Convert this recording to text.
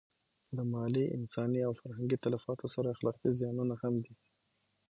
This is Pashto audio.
له مالي، انساني او فرهنګي تلفاتو سره اخلاقي زیانونه هم دي.